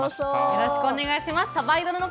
よろしくお願いします。